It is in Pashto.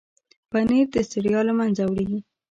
پنېر د ستړیا له منځه وړي.